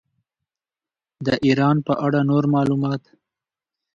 د ایران په اړه نور معلومات.